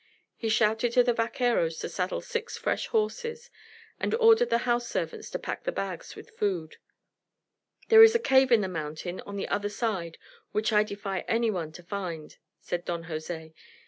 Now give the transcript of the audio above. He shouted to the vaqueros to saddle six fresh horses, and ordered the house servants to pack the bags with food. "There is a cave in the mountain on the other side which I defy anyone to find," said Don Jose.